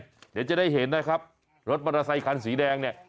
เดี๋ยวจะได้เห็นนะครับรถมอเตอร์ไซคันสีแดงเนี่ย